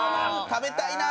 食べたいな！